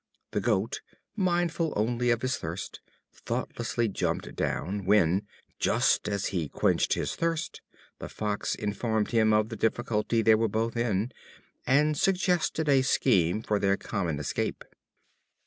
The Goat, mindful only of his thirst, thoughtlessly jumped down, when, just as he quenched his thirst, the Fox informed him of the difficulty they were both in, and suggested a scheme for their common escape.